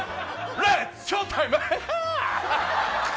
レッツショータイム。